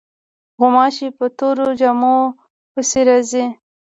غوماشې په تورو جامو پسې راځي.